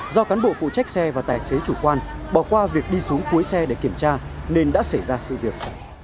do cán bộ phụ trách xe và tài xế chủ quan bỏ qua việc đi xuống cuối xe để kiểm tra nên đã xảy ra sự việc